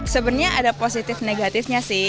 sebenarnya ada positif negatifnya sih